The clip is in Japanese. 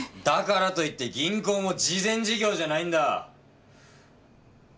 だからといって銀行も慈善事業じゃないんだ！